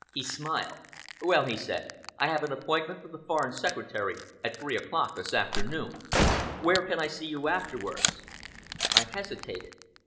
He smiled. "Well," he said, "I have an appointment with the Foreign Secretary at three o'clock this afternoon. Where can I see you afterwards?" I hesitated.